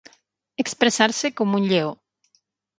Expressar-se com un lleó.